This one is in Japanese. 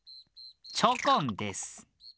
チョコンです。